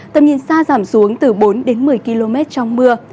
tầm nhìn xa giảm xuống từ bốn đến một mươi km trong mưa